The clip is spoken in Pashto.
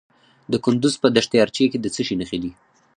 د کندز په دشت ارچي کې د څه شي نښې دي؟